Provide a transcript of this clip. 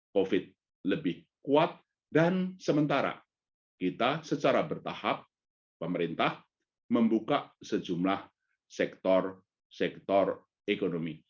covid lebih kuat dan sementara kita secara bertahap pemerintah membuka sejumlah sektor ekonomi